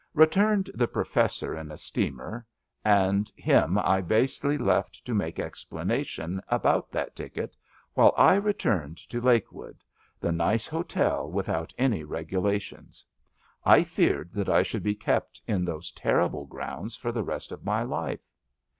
Returned the Professor in a steamer, and him I basely left to make explanation about that ticket, while I returned to Lakewood — ^the nice hotel with out any regulations. I feared that I should be kept in those terrible grounds for the rest of my life.